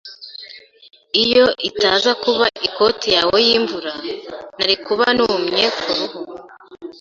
Iyo itaza kuba ikoti yawe yimvura, nari kuba numye kuruhu.